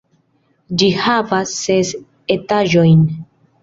Ĝi havas ses etaĝojn.